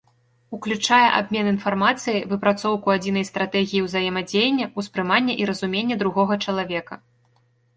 Уключае абмен інфармацыяй, выпрацоўку адзінай стратэгіі ўзаемадзеяння, успрыманне і разуменне другога чалавека.